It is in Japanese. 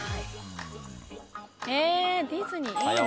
えディズニーいいな。